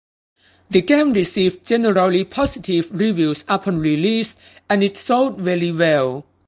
The game received generally positive reviews upon release and it sold very well.